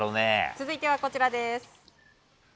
続いてはこちらです。